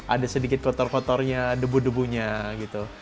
ada sedikit kotor kotornya debu debunya gitu